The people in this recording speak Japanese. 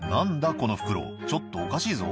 この袋ちょっとおかしいぞ」